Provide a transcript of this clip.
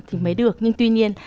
thì mới được nhưng tuy nhiên